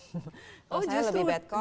justru paparonya yang bad cop